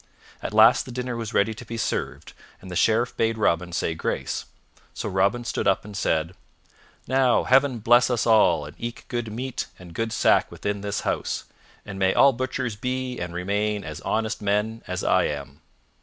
At last the dinner was ready to be served and the Sheriff bade Robin say grace, so Robin stood up and said, "Now Heaven bless us all and eke good meat and good sack within this house, and may all butchers be and remain as honest men as I am."